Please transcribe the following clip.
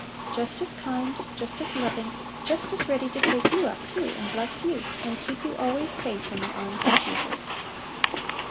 Just as kind, just as loving, just as ready to take you up too, and bless you, and keep you always " safe in the arms of Jesus."